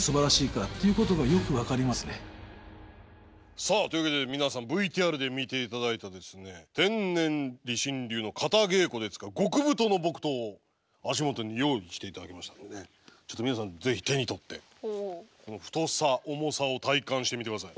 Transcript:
さあというわけで皆さんＶＴＲで見て頂いた天然理心流の型稽古で使う極太の木刀を足元に用意して頂きましたのでちょっと皆さんぜひ手に取ってこの太さ重さを体感してみて下さい。